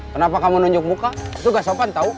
kenapa kamu nunjuk muka itu gak sopan tau